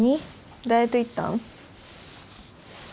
誰と行ったん？